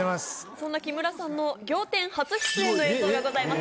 そんな木村さんの『仰天』初出演の映像がございます。